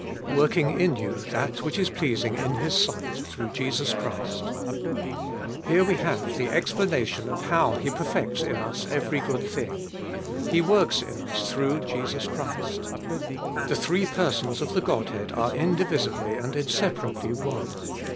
Working in you that which is pleasing in His sight, through Jesus Christ. Here we have the explanation of how He perfects in us every good thing : He works in us through Jesus Christ. The three persons of the Godhead are indivisibly and inseparably one.